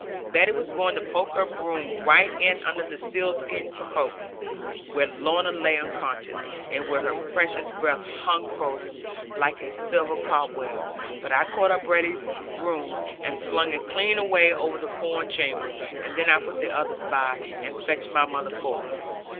Betty was going to poke her broom right in under the sealskin cloak, where Lorna lay unconscious, and where her precious breath hung frozen, like a silver cobweb; but I caught up Betty's broom, and flung it clean away over the corn chamber; and then I put the others by, and fetched my mother forward.